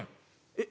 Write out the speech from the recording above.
「えっ？